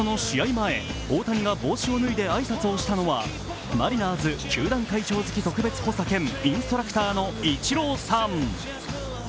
前、大谷が帽子を脱いで挨拶をしたのはマリナーズ球団会長付特別補佐兼インストラクターのイチローさん。